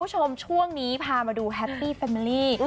คุณผู้ชมช่วงนี้พามาดูแฮปปี้แฟมอรี่